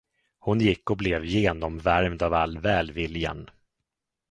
Hon gick och blev genomvärmd av all välviljan.